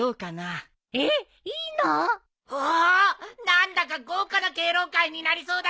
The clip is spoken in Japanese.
何だか豪華な敬老会になりそうだぜ！